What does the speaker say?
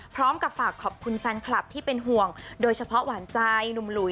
พร้อมกับฝากขอบคุณแฟนคลับที่เป็นห่วงโดยเฉพาะหวานใจหนุ่มหลุย